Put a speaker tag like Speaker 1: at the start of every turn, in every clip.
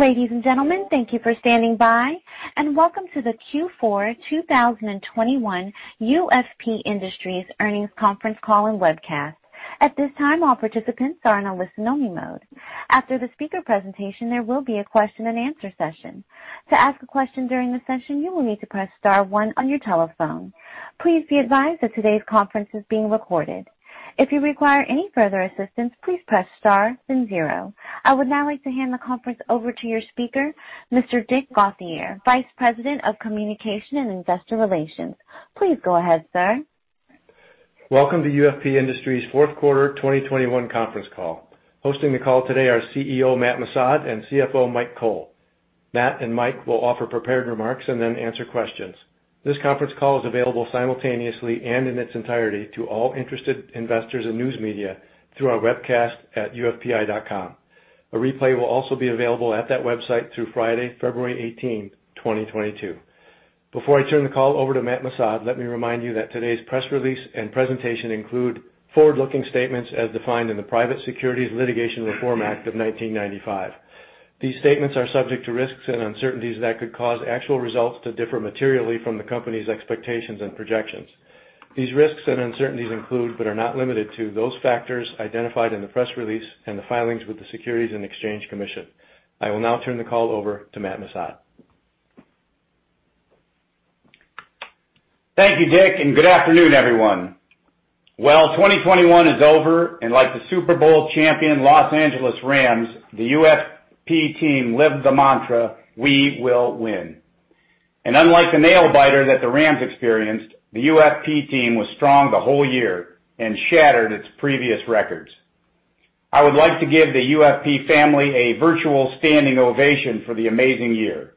Speaker 1: Ladies and gentlemen, thank you for standing by, and welcome to the Q4 2021 UFP Industries earnings conference call and webcast. At this time, all participants are in a listen-only mode. After the speaker presentation, there will be a question-and-answer session. To ask a question during the session, you will need to press star one on your telephone. Please be advised that today's conference is being recorded. If you require any further assistance, please press star then zero. I would now like to hand the conference over to your speaker, Mr. Dick Gauthier, Vice President of Communication and Investor Relations. Please go ahead, sir.
Speaker 2: Welcome to UFP Industries fourth quarter 2021 conference call. Hosting the call today are CEO Matt Missad and CFO Mike Cole. Matt and Mike will offer prepared remarks and then answer questions. This conference call is available simultaneously and in its entirety to all interested investors and news media through our webcast at ufpi.com. A replay will also be available at that website through Friday, February 18, 2022. Before I turn the call over to Matt Missad, let me remind you that today's press release and presentation include forward-looking statements as defined in the Private Securities Litigation Reform Act of 1995. These statements are subject to risks and uncertainties that could cause actual results to differ materially from the company's expectations and projections. These risks and uncertainties include, but are not limited to, those factors identified in the press release and the filings with the Securities and Exchange Commission. I will now turn the call over to Matt Missad.
Speaker 3: Thank you, Dick, and good afternoon, everyone. Well, 2021 is over, and like the Super Bowl champion Los Angeles Rams, the UFP team lived the mantra, "We will win." Unlike the nail biter that the Rams experienced, the UFP team was strong the whole year and shattered its previous records. I would like to give the UFP family a virtual standing ovation for the amazing year.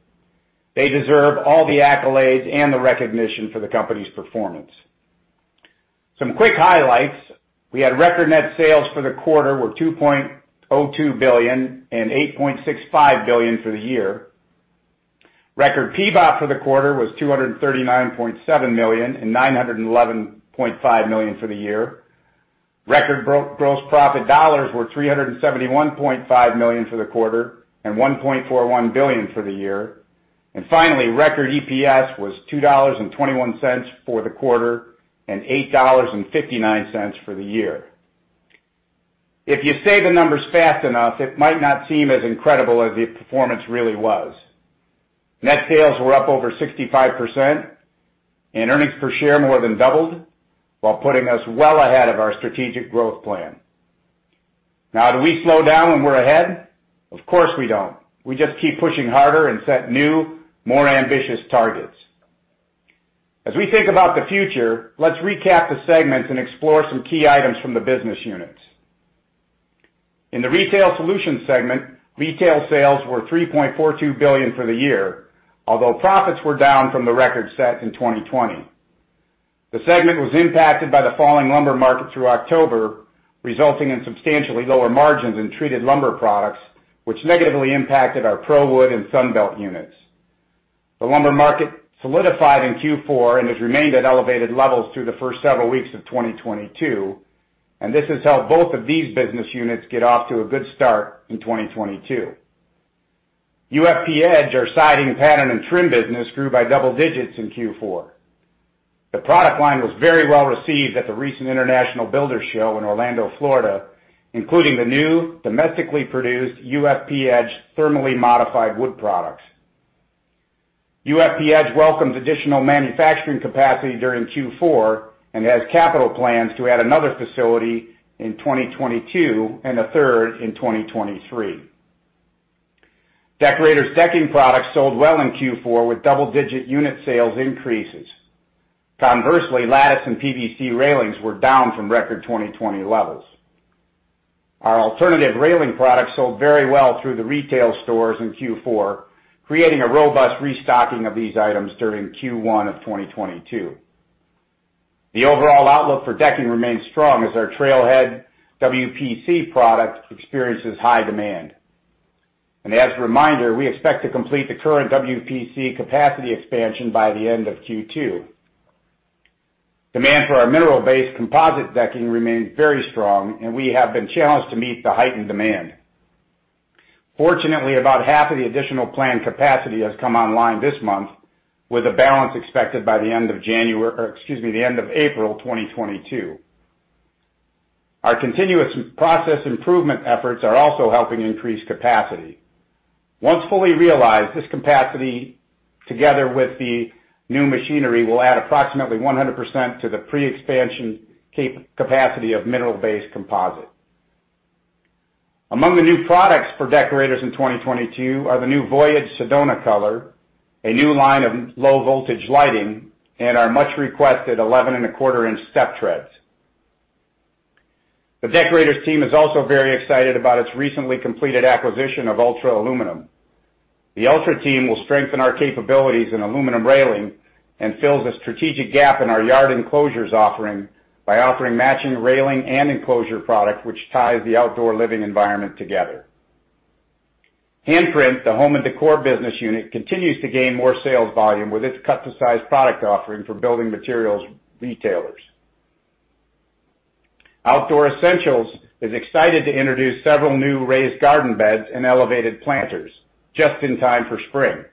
Speaker 3: They deserve all the accolades and the recognition for the company's performance. Some quick highlights. We had record net sales for the quarter were $2.02 billion and $8.65 billion for the year. Record PBT for the quarter was $239.7 million and $911.5 million for the year. Record gross profit dollars were $371.5 million for the quarter and $1.41 billion for the year. Finally, record EPS was $2.21 for the quarter and $8.59 for the year. If you say the numbers fast enough, it might not seem as incredible as the performance really was. Net sales were up over 65% and earnings per share more than doubled, while putting us well ahead of our strategic growth plan. Now, do we slow down when we're ahead? Of course, we don't. We just keep pushing harder and set new, more ambitious targets. As we think about the future, let's recap the segments and explore some key items from the business units. In the retail solutions segment, retail sales were $3.42 billion for the year, although profits were down from the record set in 2020. The segment was impacted by the falling lumber market through October, resulting in substantially lower margins in treated lumber products, which negatively impacted our ProWood and Sunbelt units. The lumber market solidified in Q4 and has remained at elevated levels through the first several weeks of 2022, and this has helped both of these business units get off to a good start in 2022. UFP Edge, our siding pattern and trim business, grew by double digits in Q4. The product line was very well received at the recent International Builders' Show in Orlando, Florida, including the new domestically produced UFP Edge thermally modified wood products. UFP Edge welcomed additional manufacturing capacity during Q4 and has capital plans to add another facility in 2022 and a third in 2023. Deckorators decking products sold well in Q4 with double-digit unit sales increases. Conversely, lattice and PVC railings were down from record 2020 levels. Our alternative railing products sold very well through the retail stores in Q4, creating a robust restocking of these items during Q1 of 2022. The overall outlook for decking remains strong as our Trailhead WPC product experiences high demand. As a reminder, we expect to complete the current WPC capacity expansion by the end of Q2. Demand for our mineral-based composite decking remains very strong, and we have been challenged to meet the heightened demand. Fortunately, about half of the additional planned capacity has come online this month, with a balance expected by the end of April 2022. Our continuous process improvement efforts are also helping increase capacity. Once fully realized, this capacity, together with the new machinery, will add approximately 100% to the pre-expansion capacity of mineral-based composite. Among the new products for Deckorators in 2022 are the new Voyage Sedona color, a new line of low-voltage lighting, and our much-requested 11.25-inch step treads. The Deckorators team is also very excited about its recently completed acquisition of Ultra Aluminum. The Ultra team will strengthen our capabilities in aluminum railing and it fills a strategic gap in our yard enclosures offering by offering matching railing and enclosure product, which ties the outdoor living environment together. Handprint, the home and décor business unit, continues to gain more sales volume with its cut-to-size product offering for building materials retailers. Outdoor Essentials is excited to introduce several new raised garden beds and elevated planters just in time for spring.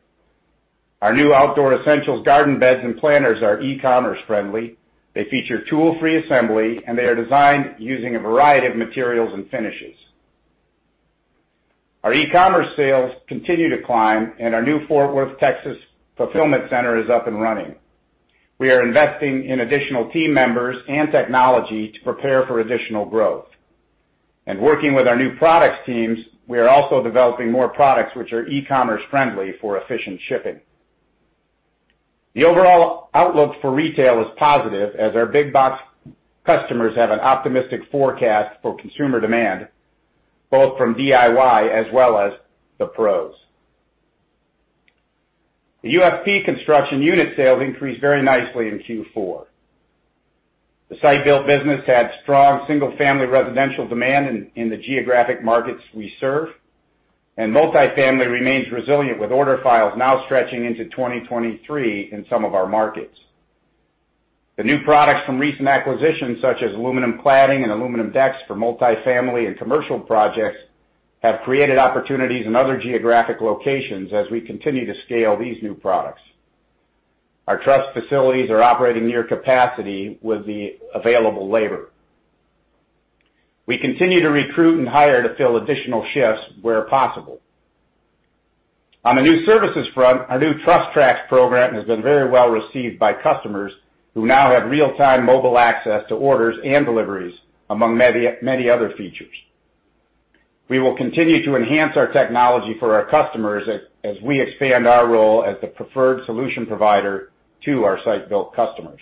Speaker 3: Our new Outdoor Essentials garden beds and planters are e-commerce friendly. They feature tool-free assembly, and they are designed using a variety of materials and finishes. Our e-commerce sales continue to climb, and our new Fort Worth, Texas, fulfillment center is up and running. We are investing in additional team members and technology to prepare for additional growth. Working with our new products teams, we are also developing more products which are e-commerce friendly for efficient shipping. The overall outlook for retail is positive, as our big box customers have an optimistic forecast for consumer demand, both from DIY as well as the pros. The UFP Construction unit sales increased very nicely in Q4. The site build business had strong single-family residential demand in the geographic markets we serve, and multifamily remains resilient, with order files now stretching into 2023 in some of our markets. The new products from recent acquisitions, such as aluminum cladding and aluminum decks for multifamily and commercial projects, have created opportunities in other geographic locations as we continue to scale these new products. Our truss facilities are operating near capacity with the available labor. We continue to recruit and hire to fill additional shifts where possible. On the new services front, our new TrussTrax program has been very well received by customers who now have real-time mobile access to orders and deliveries, among many, many other features. We will continue to enhance our technology for our customers as we expand our role as the preferred solution provider to our site-built customers.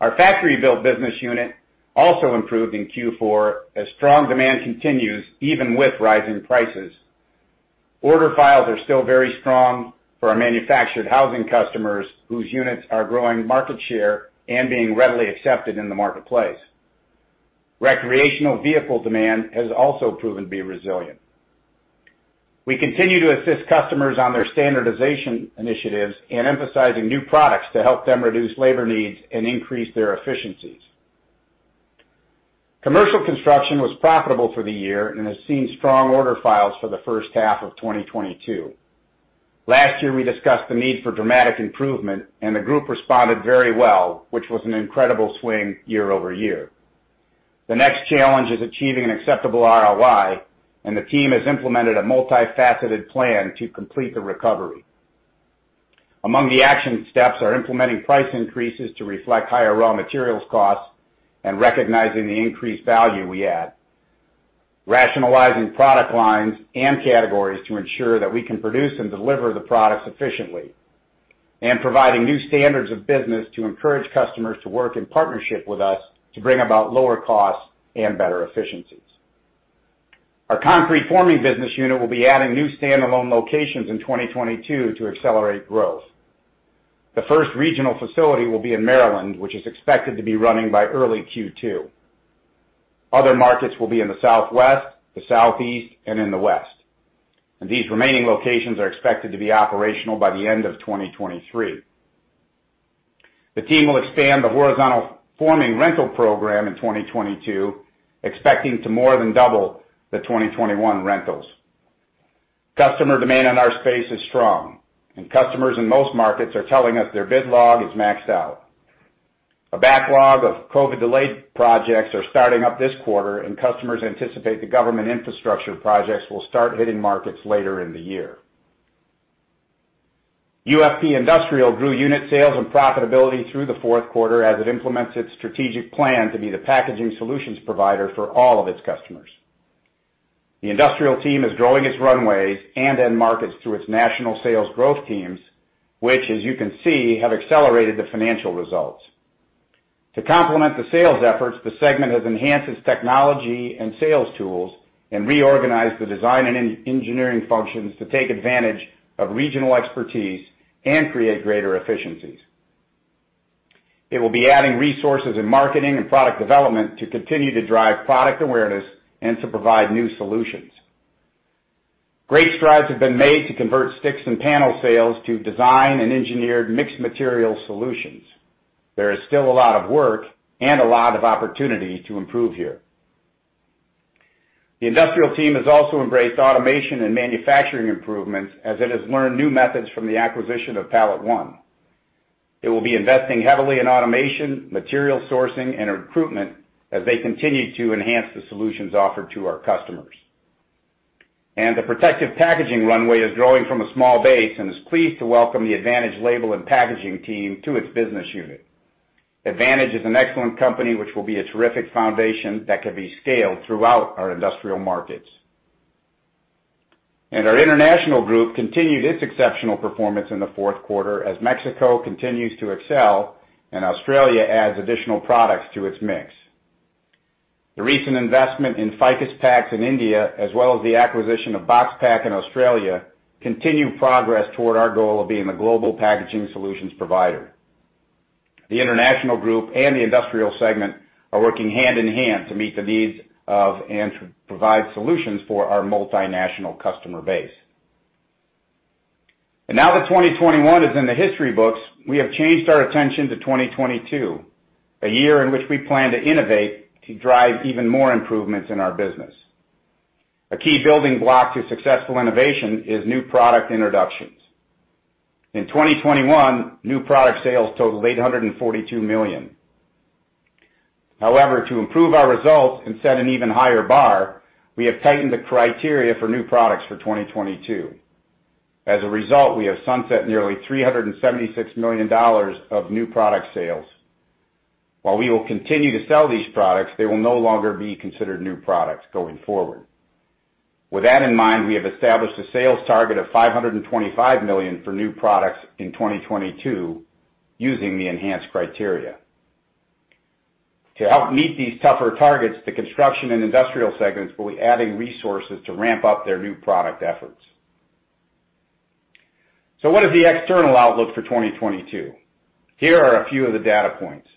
Speaker 3: Our factory-built business unit also improved in Q4 as strong demand continues even with rising prices. Order files are still very strong for our manufactured housing customers whose units are growing market share and being readily accepted in the marketplace. Recreational vehicle demand has also proven to be resilient. We continue to assist customers on their standardization initiatives and emphasizing new products to help them reduce labor needs and increase their efficiencies. Commercial construction was profitable for the year and has seen strong order files for the first half of 2022. Last year, we discussed the need for dramatic improvement, and the group responded very well, which was an incredible swing year-over-year. The next challenge is achieving an acceptable ROI, and the team has implemented a multifaceted plan to complete the recovery. Among the action steps are implementing price increases to reflect higher raw materials costs and recognizing the increased value we add, rationalizing product lines and categories to ensure that we can produce and deliver the products efficiently, and providing new standards of business to encourage customers to work in partnership with us to bring about lower costs and better efficiencies. Our concrete forming business unit will be adding new standalone locations in 2022 to accelerate growth. The first regional facility will be in Maryland, which is expected to be running by early Q2. Other markets will be in the Southwest, the Southeast, and in the West. These remaining locations are expected to be operational by the end of 2023. The team will expand the horizontal forming rental program in 2022, expecting to more than double the 2021 rentals. Customer demand on our space is strong, and customers in most markets are telling us their backlog is maxed out. A backlog of COVID-delayed projects are starting up this quarter, and customers anticipate the government infrastructure projects will start hitting markets later in the year. UFP Industries grew unit sales and profitability through the fourth quarter as it implements its strategic plan to be the packaging solutions provider for all of its customers. The industrial team is growing its runways and end markets through its national sales growth teams, which, as you can see, have accelerated the financial results. To complement the sales efforts, the segment has enhanced its technology and sales tools and reorganized the design and engineering functions to take advantage of regional expertise and create greater efficiencies. It will be adding resources in marketing and product development to continue to drive product awareness and to provide new solutions. Great strides have been made to convert sticks and panel sales to design and engineered mixed materials solutions. There is still a lot of work and a lot of opportunity to improve here. The industrial team has also embraced automation and manufacturing improvements as it has learned new methods from the acquisition of PalletOne. It will be investing heavily in automation, material sourcing, and recruitment as they continue to enhance the solutions offered to our customers. The protective packaging runway is growing from a small base and is pleased to welcome the Advantage Label & Packaging team to its business unit. Advantage is an excellent company which will be a terrific foundation that can be scaled throughout our industrial markets. Our international group continued its exceptional performance in the fourth quarter as Mexico continues to excel and Australia adds additional products to its mix. The recent investment in Ficus Pax in India, as well as the acquisition of Boxpack in Australia, continue progress toward our goal of being the global packaging solutions provider. The international group and the industrial segment are working hand-in-hand to meet the needs of and to provide solutions for our multinational customer base. Now that 2021 is in the history books, we have changed our attention to 2022, a year in which we plan to innovate to drive even more improvements in our business. A key building block to successful innovation is new product introductions. In 2021, new product sales totaled $842 million. However, to improve our results and set an even higher bar, we have tightened the criteria for new products for 2022. As a result, we have sunset nearly $376 million of new product sales. While we will continue to sell these products, they will no longer be considered new products going forward. With that in mind, we have established a sales target of $525 million for new products in 2022 using the enhanced criteria. To help meet these tougher targets, the construction and industrial segments will be adding resources to ramp up their new product efforts. What is the external outlook for 2022? Here are a few of the data points.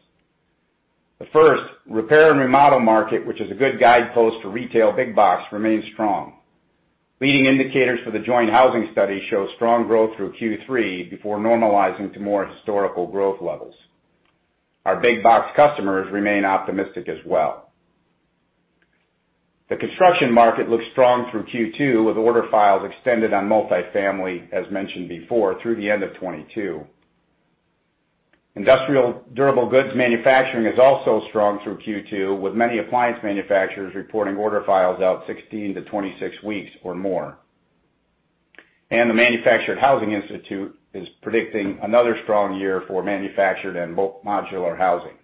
Speaker 3: The first repair and remodel market, which is a good guidepost for retail big box, remains strong. Leading indicators for the Joint Housing Studies show strong growth through Q3 before normalizing to more historical growth levels. Our big box customers remain optimistic as well. The construction market looks strong through Q2, with order files extended on multifamily, as mentioned before, through the end of 2022. Industrial durable goods manufacturing is also strong through Q2, with many appliance manufacturers reporting order files out 16-26 weeks or more. The Manufactured Housing Institute is predicting another strong year for manufactured and modular housing.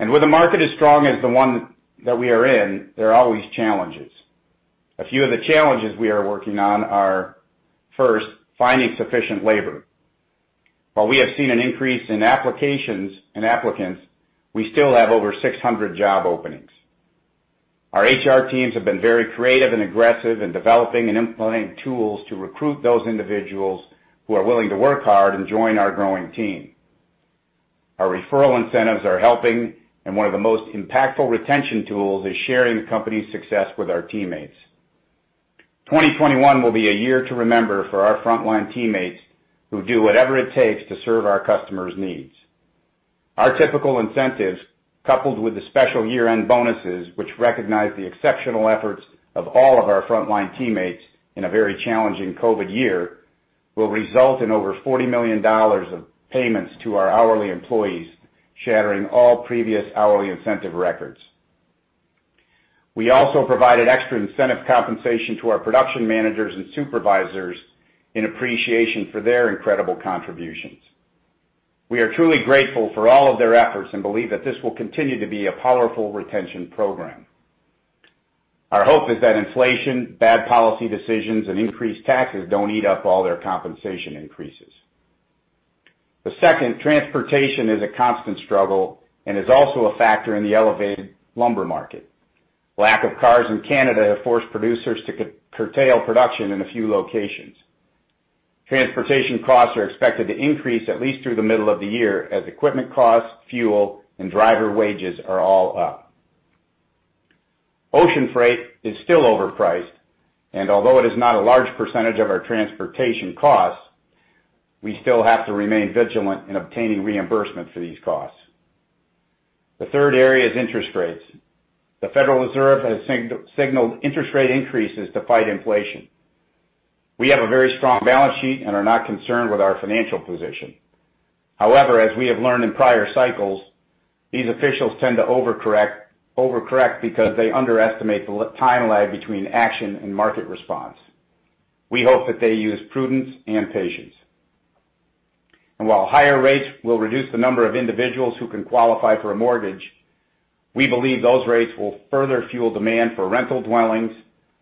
Speaker 3: With a market as strong as the one that we are in, there are always challenges. A few of the challenges we are working on are, first, finding sufficient labor. While we have seen an increase in applications and applicants, we still have over 600 job openings. Our HR teams have been very creative and aggressive in developing and implementing tools to recruit those individuals who are willing to work hard and join our growing team. Our referral incentives are helping, and one of the most impactful retention tools is sharing the company's success with our teammates. 2021 will be a year to remember for our frontline teammates who do whatever it takes to serve our customers' needs. Our typical incentives, coupled with the special year-end bonuses, which recognize the exceptional efforts of all of our frontline teammates in a very challenging COVID year, will result in over $40 million of payments to our hourly employees, shattering all previous hourly incentive records. We also provided extra incentive compensation to our production managers and supervisors in appreciation for their incredible contributions. We are truly grateful for all of their efforts and believe that this will continue to be a powerful retention program. Our hope is that inflation, bad policy decisions, and increased taxes don't eat up all their compensation increases. The second, transportation, is a constant struggle and is also a factor in the elevated lumber market. Lack of cars in Canada have forced producers to curtail production in a few locations. Transportation costs are expected to increase at least through the middle of the year as equipment costs, fuel, and driver wages are all up. Ocean freight is still overpriced, and although it is not a large percentage of our transportation costs, we still have to remain vigilant in obtaining reimbursement for these costs. The third area is interest rates. The Federal Reserve has signaled interest rate increases to fight inflation. We have a very strong balance sheet and are not concerned with our financial position. However, as we have learned in prior cycles, these officials tend to overcorrect because they underestimate the time lag between action and market response. We hope that they use prudence and patience. While higher rates will reduce the number of individuals who can qualify for a mortgage, we believe those rates will further fuel demand for rental dwellings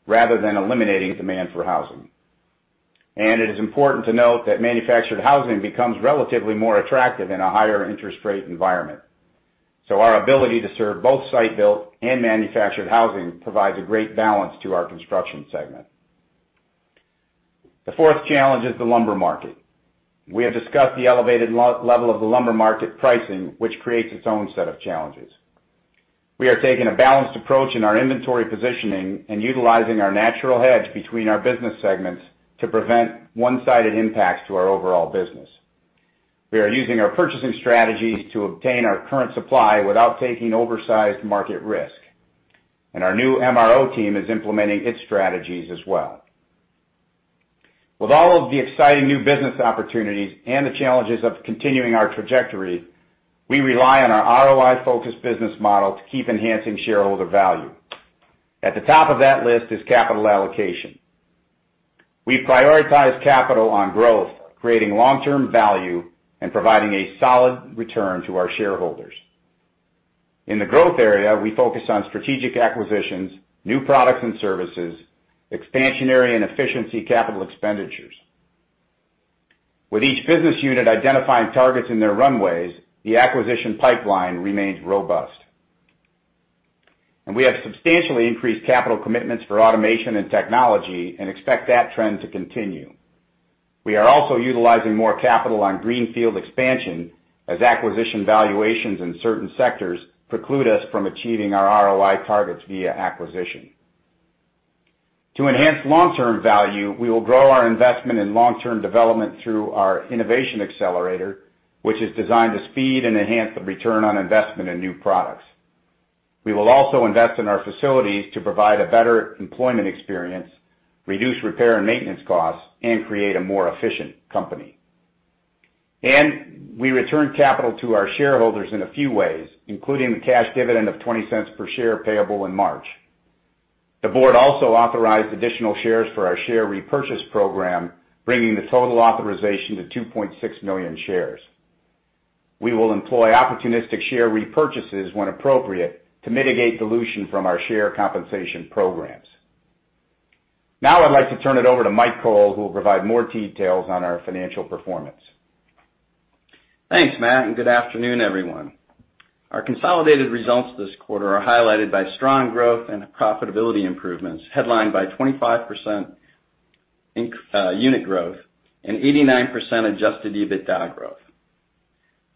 Speaker 3: rather than eliminating demand for housing. It is important to note that manufactured housing becomes relatively more attractive in a higher interest rate environment. Our ability to serve both site-built and manufactured housing provides a great balance to our construction segment. The fourth challenge is the lumber market. We have discussed the elevated level of the lumber market pricing, which creates its own set of challenges. We are taking a balanced approach in our inventory positioning and utilizing our natural hedge between our business segments to prevent one-sided impacts to our overall business. We are using our purchasing strategies to obtain our current supply without taking oversized market risk, and our new MRO team is implementing its strategies as well. With all of the exciting new business opportunities and the challenges of continuing our trajectory, we rely on our ROI-focused business model to keep enhancing shareholder value. At the top of that list is capital allocation. We prioritize capital on growth, creating long-term value, and providing a solid return to our shareholders. In the growth area, we focus on strategic acquisitions, new products and services, expansionary and efficiency capital expenditures. With each business unit identifying targets in their runways, the acquisition pipeline remains robust. We have substantially increased capital commitments for automation and technology and expect that trend to continue. We are also utilizing more capital on greenfield expansion. As acquisition valuations in certain sectors preclude us from achieving our ROI targets via acquisition. To enhance long-term value, we will grow our investment in long-term development through our innovation accelerator, which is designed to speed and enhance the return on investment in new products. We will also invest in our facilities to provide a better employment experience, reduce repair and maintenance costs, and create a more efficient company. We return capital to our shareholders in a few ways, including the cash dividend of $0.20 per share payable in March. The board also authorized additional shares for our share repurchase program, bringing the total authorization to 2.6 million shares. We will employ opportunistic share repurchases when appropriate to mitigate dilution from our share compensation programs. Now I'd like to turn it over to Mike Cole, who will provide more details on our financial performance.
Speaker 4: Thanks, Matt, and good afternoon, everyone. Our consolidated results this quarter are highlighted by strong growth and profitability improvements, headlined by 25% unit growth and 89% adjusted EBITDA growth.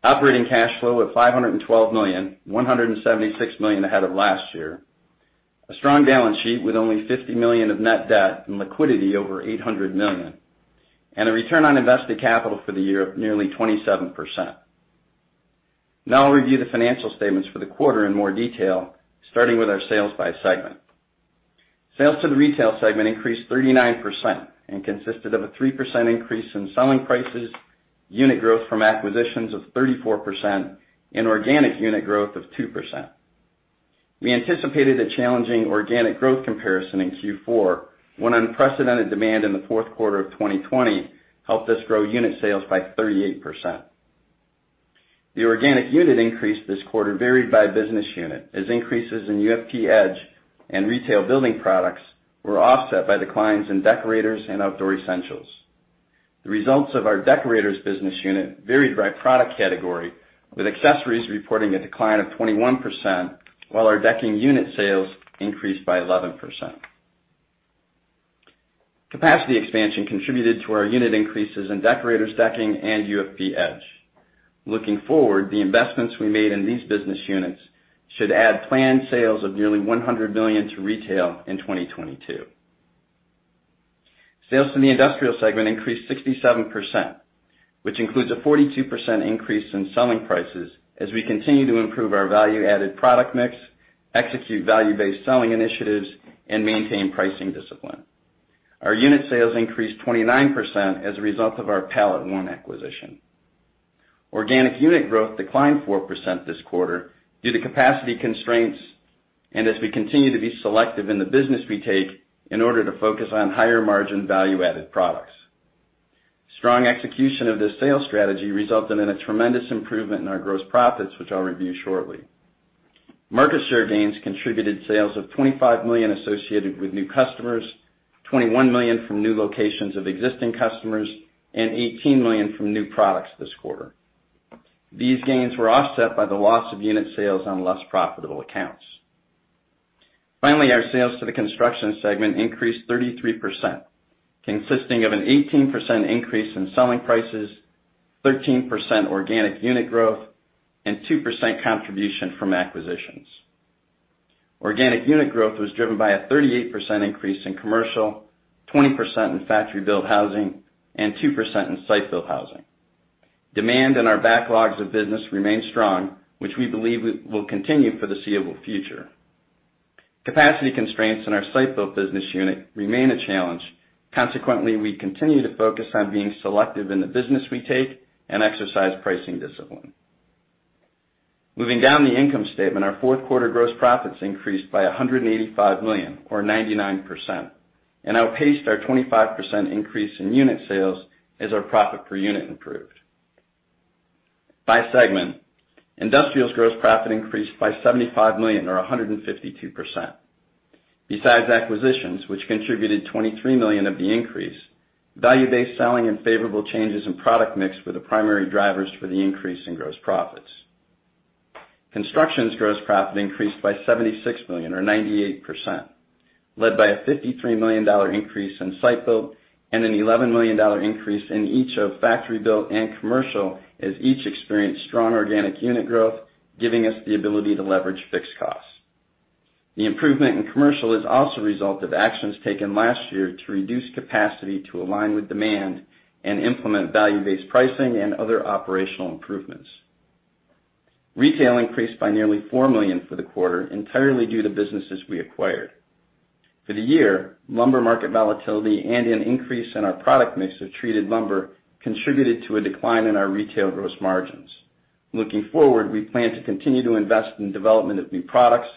Speaker 4: Operating cash flow of $512 million, $176 million ahead of last year. A strong balance sheet with only $50 million of net debt and liquidity over $800 million, and a return on invested capital for the year of nearly 27%. Now I'll review the financial statements for the quarter in more detail, starting with our sales by segment. Sales to the Retail segment increased 39% and consisted of a 3% increase in selling prices, unit growth from acquisitions of 34%, and organic unit growth of 2%. We anticipated a challenging organic growth comparison in Q4 when unprecedented demand in the fourth quarter of 2020 helped us grow unit sales by 38%. The organic unit increase this quarter varied by business unit as increases in UFP Edge and retail building products were offset by declines in Deckorators and Outdoor Essentials. The results of our Deckorators business unit varied by product category, with accessories reporting a decline of 21%, while our decking unit sales increased by 11%. Capacity expansion contributed to our unit increases in Deckorators decking and UFP Edge. Looking forward, the investments we made in these business units should add planned sales of nearly $100 million to retail in 2022. Sales in the industrial segment increased 67%, which includes a 42% increase in selling prices as we continue to improve our value-added product mix, execute value-based selling initiatives, and maintain pricing discipline. Our unit sales increased 29% as a result of our PalletOne acquisition. Organic unit growth declined 4% this quarter due to capacity constraints and as we continue to be selective in the business we take in order to focus on higher-margin, value-added products. Strong execution of this sales strategy resulted in a tremendous improvement in our gross profits, which I'll review shortly. Market share gains contributed sales of $25 million associated with new customers, $21 million from new locations of existing customers, and $18 million from new products this quarter. These gains were offset by the loss of unit sales on less profitable accounts. Finally, our sales to the construction segment increased 33%, consisting of an 18% increase in selling prices, 13% organic unit growth, and 2% contribution from acquisitions. Organic unit growth was driven by a 38% increase in commercial, 20% in factory-built housing, and 2% in site-built housing. Demand in our backlogs of business remain strong, which we believe will continue for the foreseeable future. Capacity constraints in our site-built business unit remain a challenge. Consequently, we continue to focus on being selective in the business we take and exercise pricing discipline. Moving down the income statement, our fourth quarter gross profits increased by $185 million or 99% and outpaced our 25% increase in unit sales as our profit per unit improved. By segment, industrials gross profit increased by $75 million or 152%. Besides acquisitions, which contributed $23 million of the increase, value-based selling and favorable changes in product mix were the primary drivers for the increase in gross profits. Construction's gross profit increased by $76 million or 98%, led by a $53 million increase in site built and an $11 million increase in each of factory built and commercial, as each experienced strong organic unit growth, giving us the ability to leverage fixed costs. The improvement in commercial is also a result of actions taken last year to reduce capacity to align with demand and implement value-based pricing and other operational improvements. Retail increased by nearly $4 million for the quarter, entirely due to businesses we acquired. For the year, lumber market volatility and an increase in our product mix of treated lumber contributed to a decline in our retail gross margins. Looking forward, we plan to continue to invest in development of new products,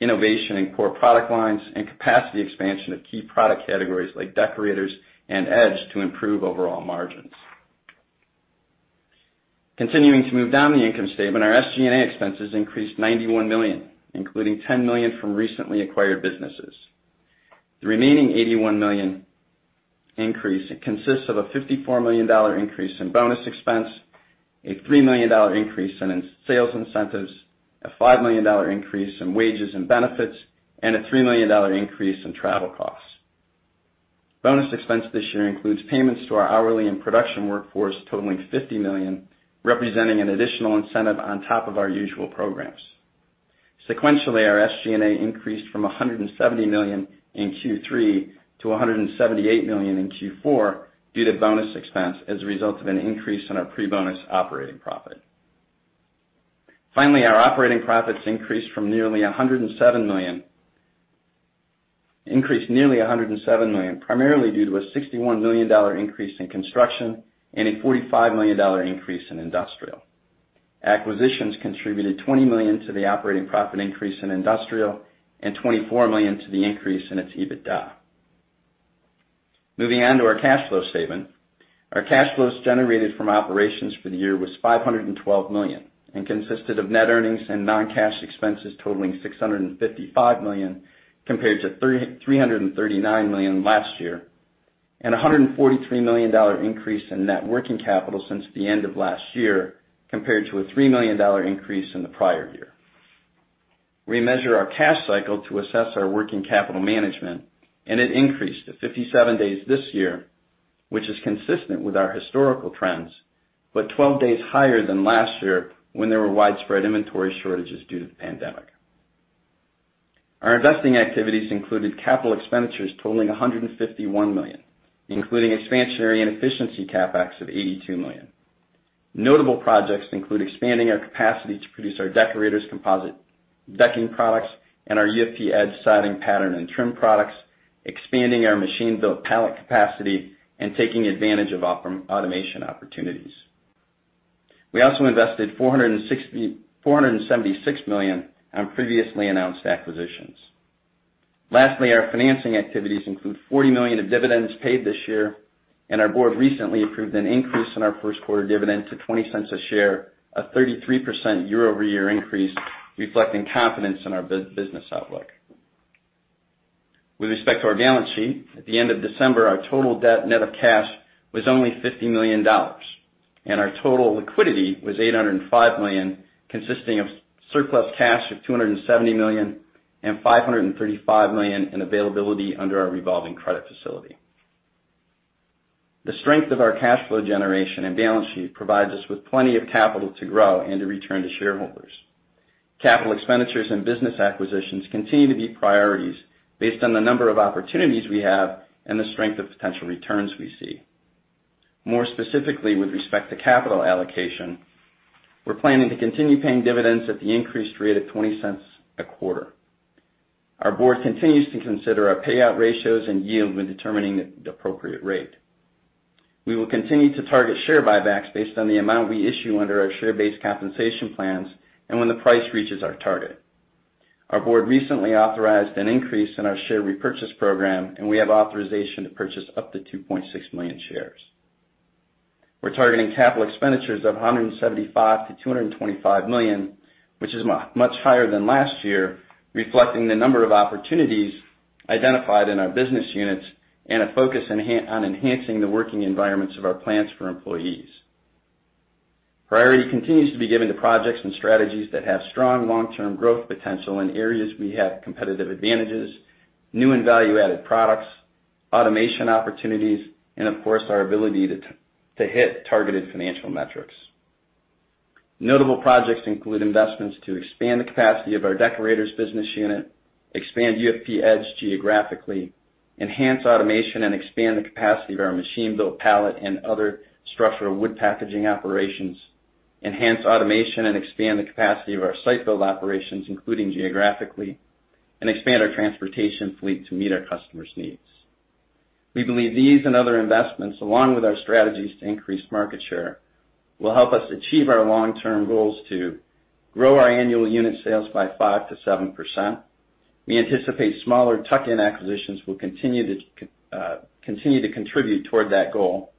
Speaker 4: innovation in core product lines, and capacity expansion of key product categories like Deckorators and Edge to improve overall margins. Continuing to move down the income statement, our SG&A expenses increased $91 million, including $10 million from recently acquired businesses. The remaining $81 million increase consists of a $54 million increase in bonus expense, a $3 million increase in sales incentives, a $5 million increase in wages and benefits, and a $3 million increase in travel costs. Bonus expense this year includes payments to our hourly and production workforce totaling $50 million, representing an additional incentive on top of our usual programs. Sequentially, our SG&A increased from $170 million in Q3 to $178 million in Q4 due to bonus expense as a result of an increase in our pre-bonus operating profit. Finally, our operating profits increased nearly 107 million, primarily due to a $61 million increase in construction and a $45 million increase in industrial. Acquisitions contributed $20 million to the operating profit increase in industrial and $24 million to the increase in its EBITDA. Moving on to our cash flow statement. Our cash flows generated from operations for the year was $512 million and consisted of net earnings and non-cash expenses totaling $655 million, compared to $339 million last year, and a $143 million increase in net working capital since the end of last year, compared to a $3 million increase in the prior year. We measure our cash cycle to assess our working capital management, and it increased to 57 days this year, which is consistent with our historical trends, but 12 days higher than last year when there were widespread inventory shortages due to the pandemic. Our investing activities included capital expenditures totaling $151 million, including expansionary and efficiency CapEx of $82 million. Notable projects include expanding our capacity to produce our Deckorators composite decking products and our UFP Edge siding pattern and trim products, expanding our machine-built pallet capacity, and taking advantage of automation opportunities. We also invested $476 million on previously announced acquisitions. Lastly, our financing activities include $40 million of dividends paid this year, and our board recently approved an increase in our first quarter dividend to $0.20 a share, a 33% year-over-year increase, reflecting confidence in our business outlook. With respect to our balance sheet, at the end of December, our total debt net of cash was only $50 million, and our total liquidity was $805 million, consisting of surplus cash of $270 million and $535 million in availability under our revolving credit facility. The strength of our cash flow generation and balance sheet provides us with plenty of capital to grow and to return to shareholders. Capital expenditures and business acquisitions continue to be priorities based on the number of opportunities we have and the strength of potential returns we see. More specifically, with respect to capital allocation, we're planning to continue paying dividends at the increased rate of $0.20 a quarter. Our board continues to consider our payout ratios and yield when determining the appropriate rate. We will continue to target share buybacks based on the amount we issue under our share-based compensation plans and when the price reaches our target. Our board recently authorized an increase in our share repurchase program, and we have authorization to purchase up to 2.6 million shares. We're targeting capital expenditures of $175 million-$225 million, which is much higher than last year, reflecting the number of opportunities identified in our business units and a focus on enhancing the working environments of our plants for employees. Priority continues to be given to projects and strategies that have strong long-term growth potential in areas we have competitive advantages, new and value-added products, automation opportunities, and of course, our ability to hit targeted financial metrics. Notable projects include investments to expand the capacity of our Deckorators business unit, expand UFP Edge geographically, enhance automation, and expand the capacity of our machine-built pallet and other structural wood packaging operations, enhance automation and expand the capacity of our site-built operations, including geographically, and expand our transportation fleet to meet our customers' needs. We believe these and other investments, along with our strategies to increase market share, will help us achieve our long-term goals to grow our annual unit sales by 5%-7%. We anticipate smaller tuck-in acquisitions will continue to contribute toward that goal,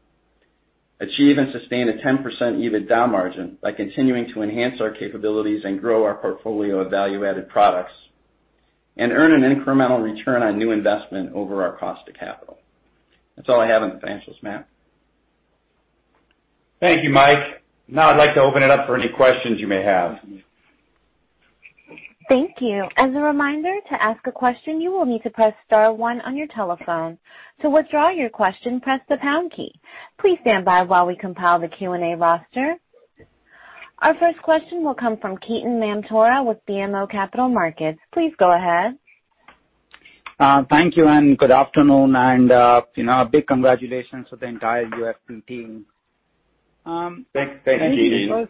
Speaker 4: achieve and sustain a 10% EBITDA margin by continuing to enhance our capabilities and grow our portfolio of value-added products, and earn an incremental return on new investment over our cost of capital. That's all I have on the financials, Matt.
Speaker 3: Thank you, Mike. Now I'd like to open it up for any questions you may have.
Speaker 1: Thank you. As a reminder, to ask a question, you will need to press star one on your telephone. To withdraw your question, press the pound key. Please stand by while we compile the Q&A roster. Our first question will come from Ketan Mamtora with BMO Capital Markets. Please go ahead.
Speaker 5: Thank you, and good afternoon, and, you know, a big congratulations to the entire UFP team.
Speaker 3: Thank you, Ketan.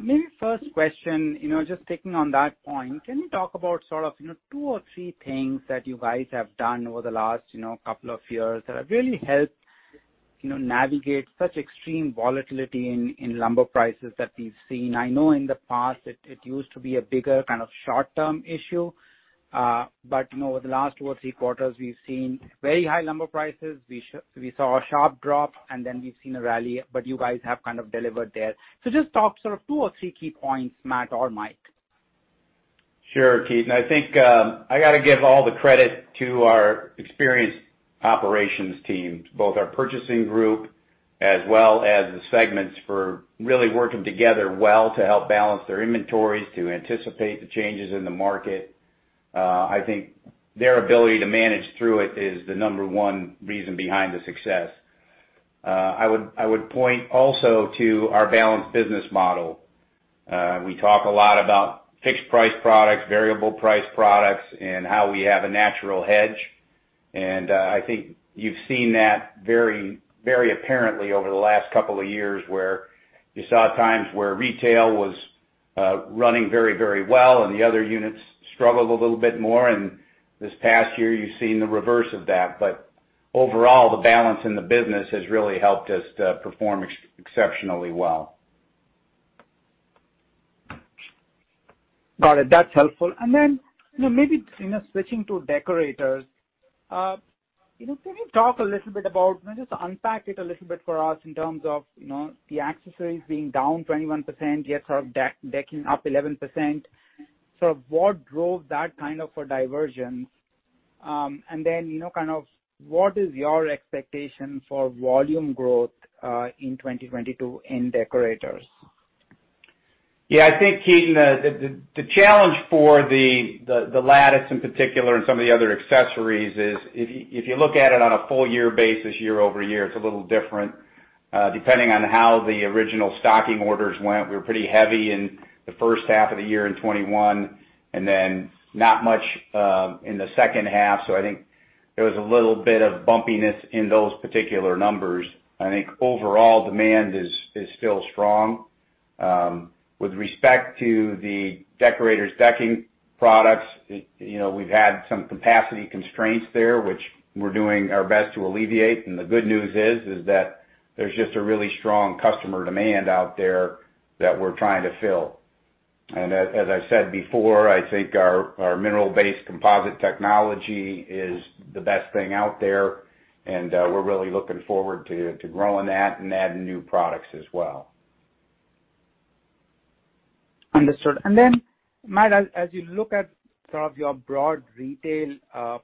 Speaker 5: Maybe the first question, you know, just taking on that point, can you talk about sort of, you know, two or three things that you guys have done over the last, you know, couple of years that have really helped, you know, navigate such extreme volatility in lumber prices that we've seen? I know in the past it used to be a bigger kind of short-term issue, but, you know, over the last two or three quarters, we've seen very high lumber prices. We saw a sharp drop, and then we've seen a rally, but you guys have kind of delivered there. Just talk sort of two or three key points, Matt or Mike.
Speaker 3: Sure, Ketan. I think, I gotta give all the credit to our experienced operations team, both our purchasing group As well as the segments for really working together well to help balance their inventories, to anticipate the changes in the market. I think their ability to manage through it is the number one reason behind the success. I would point also to our balanced business model. We talk a lot about fixed price products, variable price products, and how we have a natural hedge. I think you've seen that very, very apparently over the last couple of years where you saw times where retail was running very, very well and the other units struggled a little bit more. This past year you've seen the reverse of that. Overall, the balance in the business has really helped us to perform exceptionally well.
Speaker 5: Got it. That's helpful. You know, maybe, you know, switching to Deckorators, you know, can you talk a little bit about, you know, just unpack it a little bit for us in terms of, you know, the accessories being down 21%, yet sort of decking up 11%. Sort of what drove that kind of a diversion? You know, kind of what is your expectation for volume growth in 2022 in Deckorators?
Speaker 3: Yeah, I think, Ketan, the challenge for the lattice in particular and some of the other accessories is if you look at it on a full year basis, year-over-year, it's a little different, depending on how the original stocking orders went. We were pretty heavy in the first half of the year in 2021, and then not much in the second half. I think there was a little bit of bumpiness in those particular numbers. I think overall demand is still strong. With respect to the Deckorators decking products, it, you know, we've had some capacity constraints there, which we're doing our best to alleviate. The good news is that there's just a really strong customer demand out there that we're trying to fill. As I said before, I think our mineral-based composite technology is the best thing out there, and we're really looking forward to growing that and adding new products as well.
Speaker 5: Understood. Matt, as you look at sort of your broad retail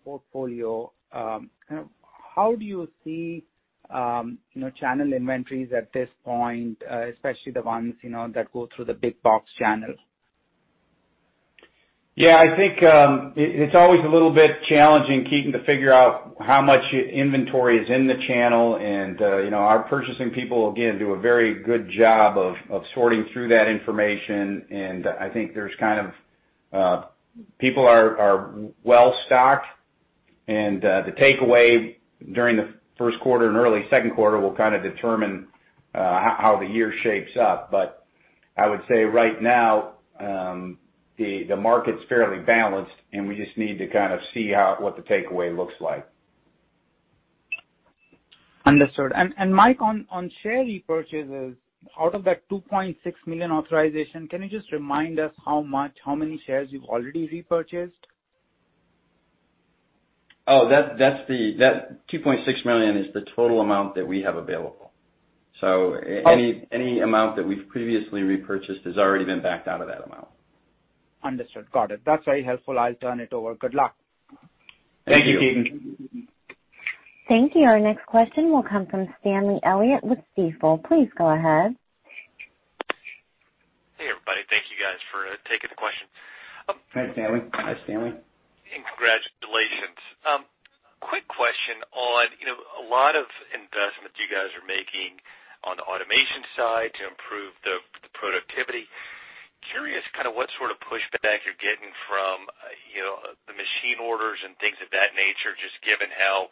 Speaker 5: portfolio, kind of how do you see, you know, channel inventories at this point, especially the ones, you know, that go through the big box channel?
Speaker 3: Yeah. I think it's always a little bit challenging, Ketan, to figure out how much inventory is in the channel. You know, our purchasing people again do a very good job of sorting through that information. I think there's kind of people are well-stocked, and the takeaway during the first quarter and early second quarter will kind of determine how the year shapes up. But I would say right now the market's fairly balanced, and we just need to kind of see what the takeaway looks like.
Speaker 5: Understood. Mike, on share repurchases, out of that 2.6 million authorization, can you just remind us how much, how many shares you've already repurchased?
Speaker 4: That's the $2.6 million is the total amount that we have available. Any amount that we've previously repurchased has already been backed out of that amount.
Speaker 5: Understood. Got it. That's very helpful. I'll turn it over. Good luck.
Speaker 3: Thank you, Ketan.
Speaker 1: Thank you. Our next question will come from Stanley Elliott with Stifel. Please go ahead.
Speaker 6: Hey, everybody. Thank you guys for taking the question.
Speaker 3: Hi, Stanley.
Speaker 4: Hi, Stanley.
Speaker 6: Congratulations. Quick question on, you know, a lot of investments you guys are making on the automation side to improve the productivity. Curious kind of what sort of pushback you're getting from, you know, the machine orders and things of that nature, just given how,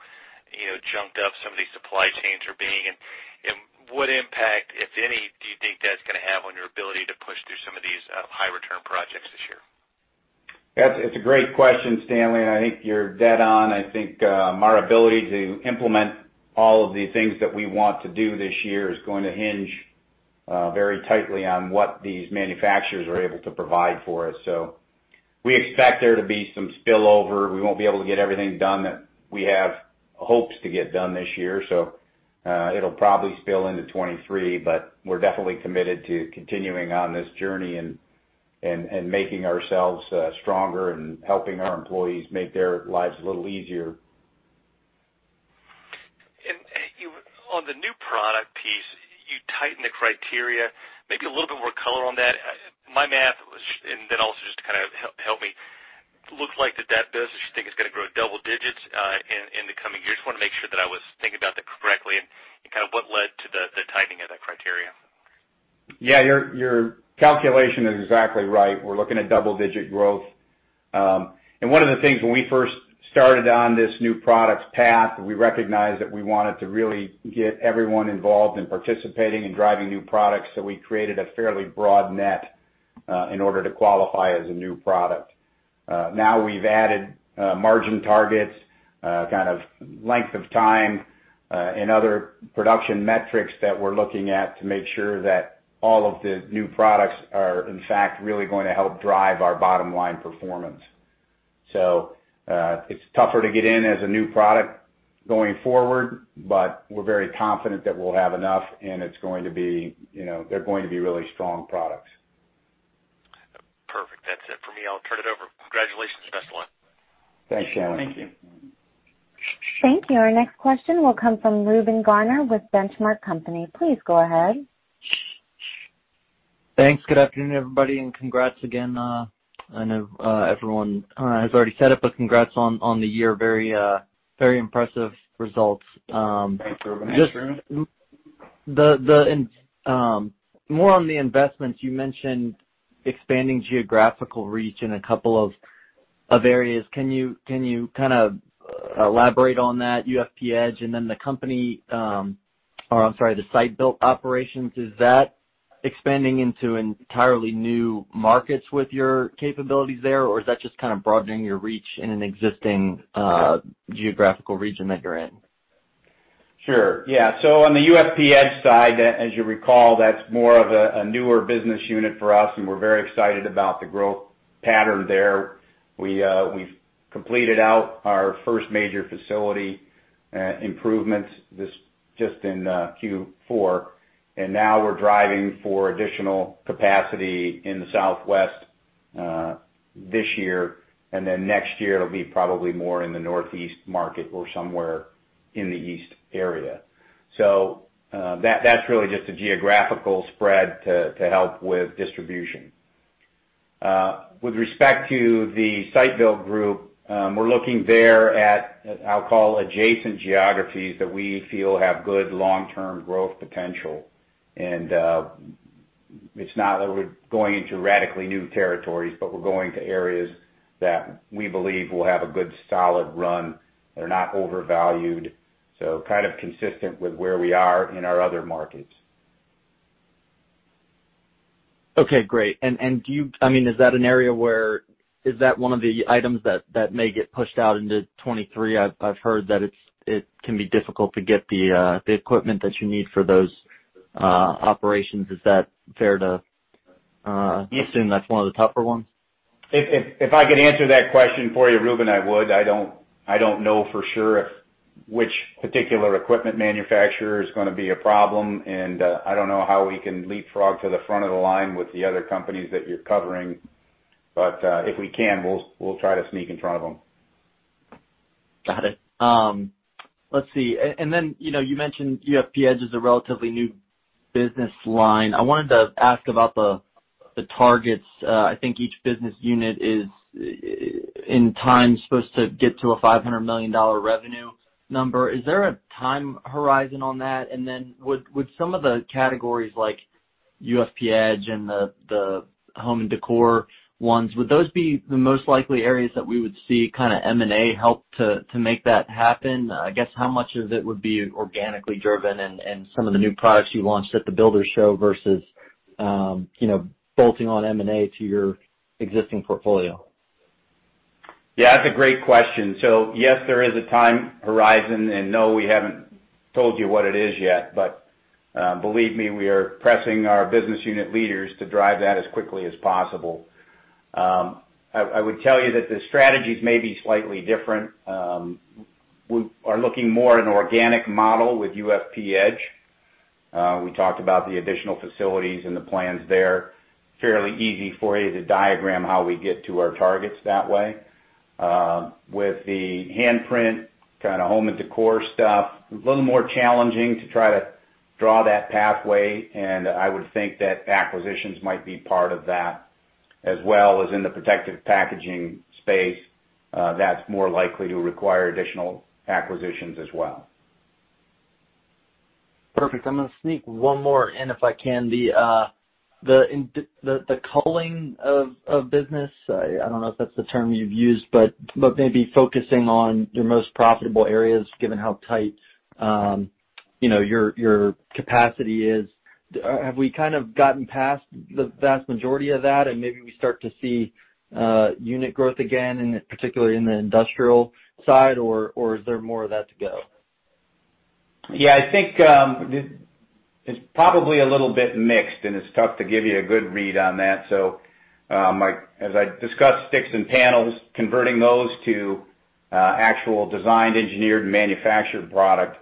Speaker 6: you know, junked up some of these supply chains are being. What impact, if any, do you think that's gonna have on your ability to push through some of these high return projects this year?
Speaker 3: That's a great question, Stanley, and I think you're dead on. I think our ability to implement all of the things that we want to do this year is going to hinge very tightly on what these manufacturers are able to provide for us. We expect there to be some spillover. We won't be able to get everything done that we have hopes to get done this year. It'll probably spill into 2023, but we're definitely committed to continuing on this journey and making ourselves stronger and helping our employees make their lives a little easier.
Speaker 6: You on the new product piece, you tighten the criteria. Maybe a little bit more color on that. My math was, and then also just to kind of help me, looks like that business, you think, is gonna grow double digits in the coming years. Just wanna make sure that I was thinking about that correctly and kind of what led to the tightening of that criteria.
Speaker 3: Yeah. Your calculation is exactly right. We're looking at double digit growth. One of the things when we first started on this new products path, we recognized that we wanted to really get everyone involved in participating and driving new products. We created a fairly broad net in order to qualify as a new product. Now we've added margin targets, kind of length of time, and other production metrics that we're looking at to make sure that all of the new products are in fact really going to help drive our bottom line performance. It's tougher to get in as a new product going forward, but we're very confident that we'll have enough and it's going to be, you know, they're going to be really strong products.
Speaker 6: Perfect that's it for me. I'll turn it over. Congratulations. Best of luck.
Speaker 3: Thanks, Stanley.
Speaker 4: Thank you.
Speaker 1: Thank you. Our next question will come from Reuben Garner with Benchmark Company. Please go ahead.
Speaker 7: Thanks. Good afternoon, everybody, and congrats again. I know everyone has already said it, but congrats on the year. Very impressive results.
Speaker 3: Thanks, Reuben.
Speaker 4: Thanks, Reuben.
Speaker 7: more on the investments, you mentioned expanding geographical reach in a couple of areas. Can you kind of elaborate on that UFP Edge and then the company, or I'm sorry, the site-built operations, is that expanding into entirely new markets with your capabilities there, or is that just kind of broadening your reach in an existing geographical region that you're in?
Speaker 3: Sure, yeah. On the UFP Edge side, as you recall, that's more of a newer business unit for us, and we're very excited about the growth pattern there. We've completed our first major facility improvements this just in Q4. Now we're driving for additional capacity in the Southwest this year. Then next year it'll be probably more in the Northeast market or somewhere in the East area. That's really just a geographical spread to help with distribution. With respect to the site build group, we're looking there at, I'll call adjacent geographies that we feel have good long-term growth potential. It's not that we're going into radically new territories, but we're going to areas that we believe will have a good solid run. They're not overvalued, so kind of consistent with where we are in our other markets.
Speaker 7: Okay, great. I mean, is that one of the items that may get pushed out into 2023? I've heard that it can be difficult to get the equipment that you need for those operations. Is that fair to assume that's one of the tougher ones?
Speaker 3: If I could answer that question for you, Reuben, I would. I don't know for sure if which particular equipment manufacturer is gonna be a problem, and I don't know how we can leapfrog to the front of the line with the other companies that you're covering. If we can, we'll try to sneak in front of them.
Speaker 7: Got it. Let's see. Then, you know, you mentioned UFP Edge is a relatively new business line. I wanted to ask about the targets. I think each business unit is in time supposed to get to a $500 million revenue number. Is there a time horizon on that? Would some of the categories like UFP Edge and the home and decor ones be the most likely areas that we would see kinda M&A help to make that happen? I guess how much of it would be organically driven and some of the new products you launched at the Builders Show versus, you know, bolting on M&A to your existing portfolio?
Speaker 3: Yeah, that's a great question. Yes, there is a time horizon and no, we haven't told you what it is yet, but, believe me, we are pressing our business unit leaders to drive that as quickly as possible. I would tell you that the strategies may be slightly different. We are looking more at an organic model with UFP Edge. We talked about the additional facilities and the plans there. Fairly easy for you to diagram how we get to our targets that way. With the Handprint kinda home and décor stuff, a little more challenging to try to draw that pathway, and I would think that acquisitions might be part of that as well as in the protective packaging space, that's more likely to require additional acquisitions as well.
Speaker 7: Perfect. I'm gonna sneak one more in if I can. The culling of business, I don't know if that's the term you've used, but maybe focusing on your most profitable areas given how tight, you know, your capacity is. Have we kind of gotten past the vast majority of that, and maybe we start to see unit growth again, particularly in the industrial side, or is there more of that to go?
Speaker 3: Yeah, I think it's probably a little bit mixed, and it's tough to give you a good read on that. Like, as I discussed sticks and panels, converting those to actual designed, engineered, manufactured product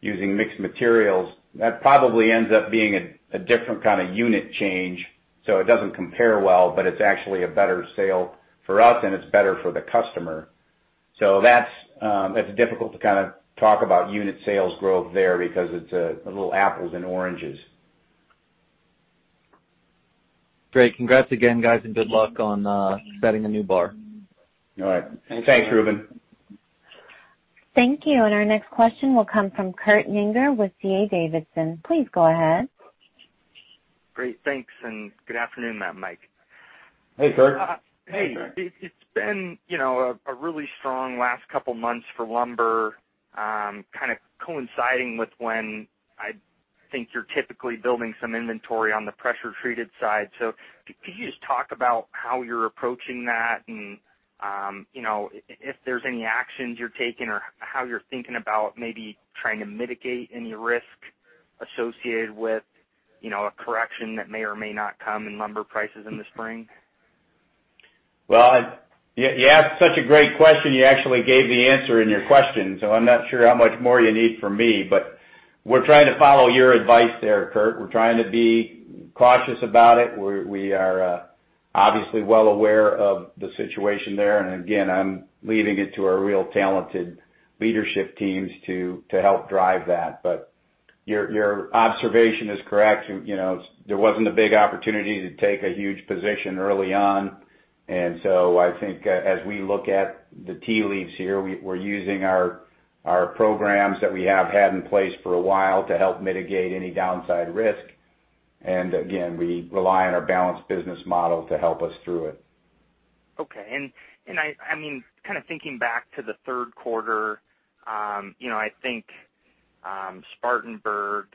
Speaker 3: using mixed materials, that probably ends up being a different kinda unit change, so it doesn't compare well, but it's actually a better sale for us, and it's better for the customer. That's difficult to kinda talk about unit sales growth there because it's a little apples and oranges.
Speaker 7: Great. Congrats again, guys, and good luck on setting a new bar.
Speaker 3: All right. Thanks, Reuben.
Speaker 1: Thank you. Our next question will come from Kurt Yinger with D.A. Davidson. Please go ahead.
Speaker 8: Great. Thanks, and good afternoon, Mike.
Speaker 3: Hey, Kurt.
Speaker 8: Hey. It's been, you know, a really strong last couple months for lumber, kinda coinciding with when I think you're typically building some inventory on the pressure treated side. Could you just talk about how you're approaching that? If there's any actions you're taking or how you're thinking about maybe trying to mitigate any risk associated with, you know, a correction that may or may not come in lumber prices in the spring?
Speaker 3: Well, yeah, you asked such a great question, you actually gave the answer in your question. I'm not sure how much more you need from me. We're trying to follow your advice there, Kurt. We're trying to be cautious about it. We are obviously well aware of the situation there and again, I'm leaving it to our real talented leadership teams to help drive that. Your observation is correct. You know, there wasn't a big opportunity to take a huge position early on. I think, as we look at the tea leaves here, we're using our programs that we have had in place for a while to help mitigate any downside risk. Again, we rely on our balanced business model to help us through it.
Speaker 8: I mean, kind of thinking back to the third quarter, you know, I think Spartanburg